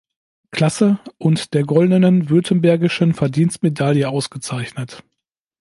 Klasse und der Goldenen Württembergischen Verdienstmedaille ausgezeichnet.